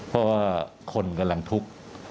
เพราะว่าคนกำลังทุกข์